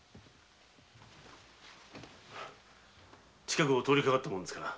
近くを通りかかったもんですから。